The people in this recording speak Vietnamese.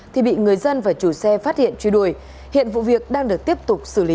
thì bị người dân và chủ xe phát hiện truy đuổi hiện vụ việc đang được tiếp tục xử lý